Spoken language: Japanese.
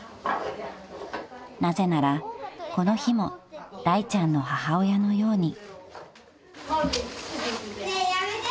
［なぜならこの日もだいちゃんの母親のように］